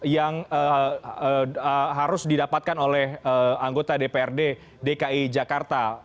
yang harus didapatkan oleh anggota dprd dki jakarta